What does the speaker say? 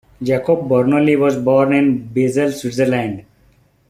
Jacob Bernoulli was born in Basel, Switzerland.